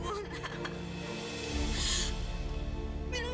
kamu sudah berubah